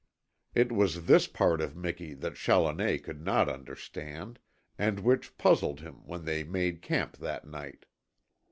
It was this part of Miki that Challoner could not understand, and which puzzled him when they made camp that night.